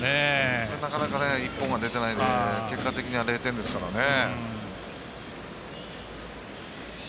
なかなか一本が出てないので結果的には０点ですからね。